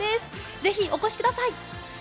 ぜひお越しください。